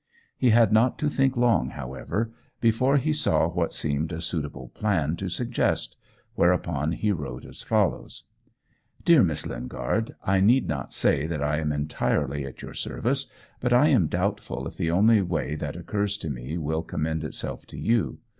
He had not to think long, however, before he saw what seemed a suitable plan to suggest; whereupon he wrote as follows: "Dear Miss Lingard, I need not say that I am entirely at your service. But I am doubtful if the only way that occurs to me will commend itself to you.